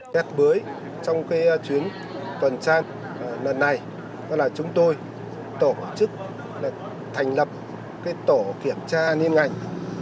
các bới trong chuyến tuần tra lần này là chúng tôi tổ chức thành lập tổ kiểm tra niêm ngành